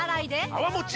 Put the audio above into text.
泡もち